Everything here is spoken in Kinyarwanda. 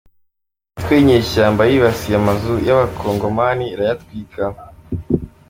Imitwe yinyeshyamba yibasiye amazu y’Abakongomani irayatwika